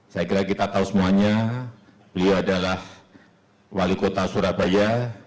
saya kira kita tahu semuanya beliau adalah wali kota surabaya